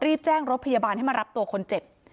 รีบแจ้งรถพยาบาลให้มารับตัวคนเจ็บ